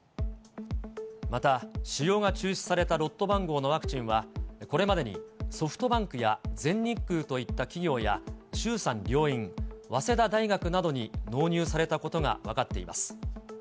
また、使用が中止されたロット番号のワクチンは、これまでにソフトバンクや全日空といった企業や、衆参両院、早稲田大学などに納入されたことが分かっています。